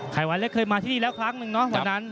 ใครว่าเล็กเคยมาที่นี่แล้วครั้งนึงนะวันนั้น